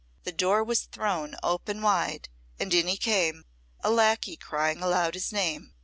The door was thrown open wide, and in he came, a lacquey crying aloud his name.